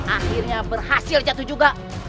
akhirnya berhasil jatuh juga